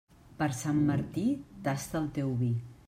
Per Sant Martí, tasta el teu vi.